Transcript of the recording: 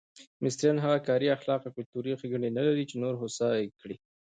مصریان هغه کاري اخلاق او کلتوري ښېګڼې نه لري چې نور هوسا کړي.